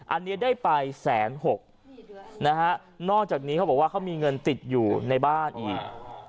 อันนี้ได้ไปแสนหกนะฮะนอกจากนี้เขาบอกว่าเขามีเงินติดอยู่ในบ้านอีก